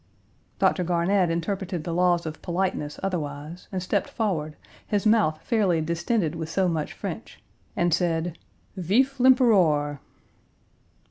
Doctor Garnett interpreted the laws of politeness otherwise, and stepped forward, his mouth fairly distended with so much French, and said: "Vieff l'Emperor."